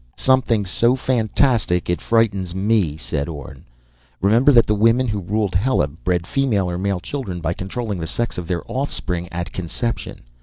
"_ "Something so fantastic it frightens me," said Orne. _"Remember that the women who ruled Heleb bred female or male children by controlling the sex of their offspring at conception.